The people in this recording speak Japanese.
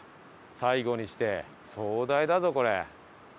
最後にして壮大だぞこれ。